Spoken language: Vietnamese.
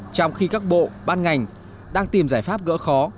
trong khi các bộ ban ngành đang tìm giải pháp gỡ khó